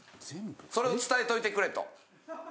それを伝えといてくれと。